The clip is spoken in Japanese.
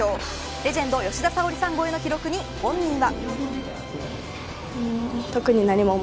レジェンド吉田沙保里さん超えの記録に本人は。